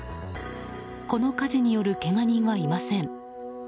この火事によるけが人はいません。